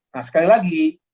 nah sekali lagi